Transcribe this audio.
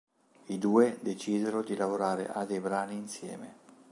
I due decisero di lavorare a dei brani insieme.